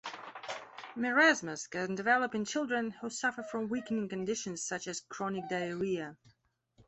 Marasmus can develop in children who suffer from weakening conditions such as chronic diarrhea.